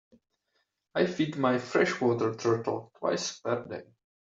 I feed my fresh water turtle twice per day.